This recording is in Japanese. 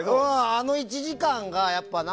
あの１時間が、やっぱり。